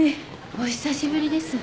お久しぶりです。